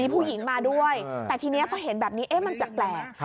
ผู้หญิงมาด้วยแต่ทีนี้พอเห็นแบบนี้มันแปลก